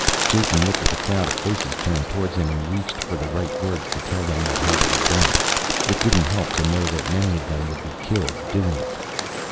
Jason looked at the crowd of faces turned towards him and reached for the right words to tell them what had to be done. It didn't help to know that many of them would be killed doing it.